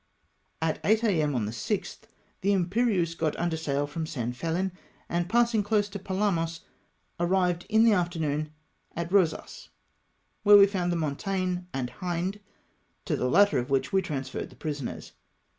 At 8 A.M. on the Gth, the Imperieuse got under sail from San Felin, and passing close to Palamos, arrived in the afternoon at Eosas, where we found the Mon tague and Hind., to the latter of which we transferred the prisoners.